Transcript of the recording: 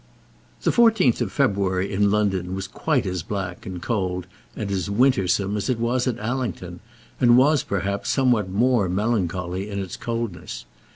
The fourteenth of February in London was quite as black, and cold, and as wintersome as it was at Allington, and was, perhaps, somewhat more melancholy in its coldness.